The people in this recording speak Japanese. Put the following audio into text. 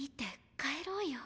帰ろうよ。